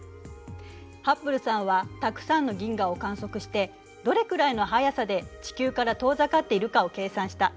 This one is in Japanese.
ハッブルさんはたくさんの銀河を観測してどれくらいの速さで地球から遠ざかっているかを計算した。